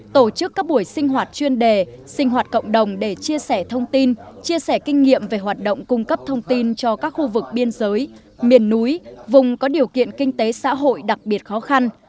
tổ chức các buổi sinh hoạt chuyên đề sinh hoạt cộng đồng để chia sẻ thông tin chia sẻ kinh nghiệm về hoạt động cung cấp thông tin cho các khu vực biên giới miền núi vùng có điều kiện kinh tế xã hội đặc biệt khó khăn